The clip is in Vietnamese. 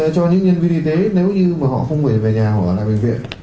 cho những nhân viên y tế nếu như mà họ không về nhà hoặc là bệnh viện